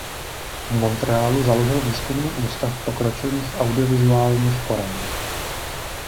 V Montrealu založil Výzkumný ústav pokročilých audiovizuálních forem.